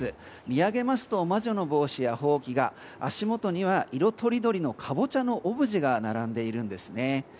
見上げますと魔女の帽子やほうきが足元には色とりどりのカボチャのオブジェが並んでいるんですね。